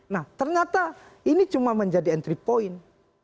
nah ternyata ini cuma menjadi entry point